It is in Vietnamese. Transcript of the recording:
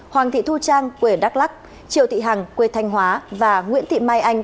hoàng thị thu trang quê đắk lắc triệu thị hằng quê thanh hóa và nguyễn thị mai anh